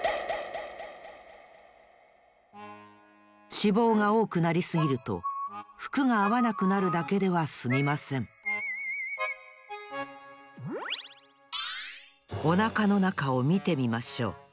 脂肪がおおくなりすぎるとふくがあわなくなるだけではすみませんおなかのなかをみてみましょう。